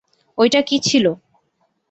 ঐটা কি ছিল?